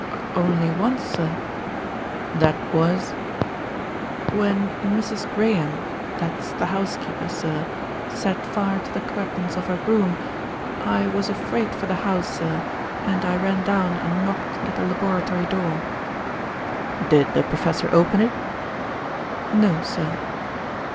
"Only once, sir." "That was?" "When Mrs. Graham, that's the housekeeper, sir, set fire to the curtains of her room. I was afraid for the house, sir, and I ran down and knocked at the laboratory door." "Did the professor open it?" "No, sir."